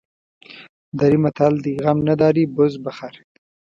دري متل دی: غم نداری بز بخر.